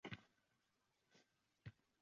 Nega birdan to’xtading, jonon?